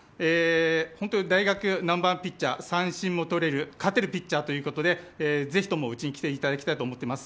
大学ナンバーワンピッチャー、三振も取れる、勝てるピッチャーということでぜひともうちに来ていただきたいと思っています。